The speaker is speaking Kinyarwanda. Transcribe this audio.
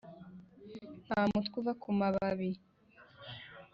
ntamutwe uva kumababi